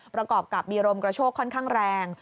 ประกอบกับมีลมกระโชกค่อนข้างแรง